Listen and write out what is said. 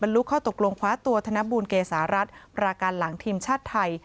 รู้ข้อตกลงคว้าตัวธนบูลเกษารัฐประการหลังทีมชาติไทย